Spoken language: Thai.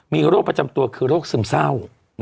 มีโรคประจำตัวคือโรคซึมเศร้า